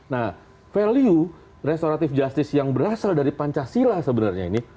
nah value restoratif justice yang berasal dari pancasila sebenarnya ini